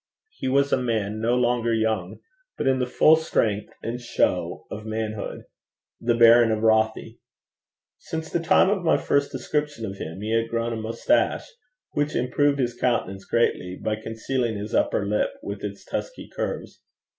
He was a man no longer young, but in the full strength and show of manhood the Baron of Rothie. Since the time of my first description of him, he had grown a moustache, which improved his countenance greatly, by concealing his upper lip with its tusky curves.